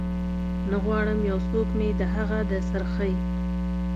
نه غواړم یو څوک مې د هغه د سرخۍ